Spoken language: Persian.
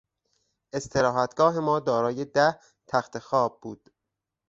استراحتگاه ما دارای ده تختخواب بود.